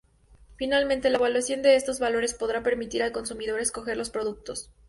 Finalmente, la evaluación de esos valores podrá permitir al consumidor escoger los productos.